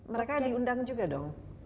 mereka diundang juga dong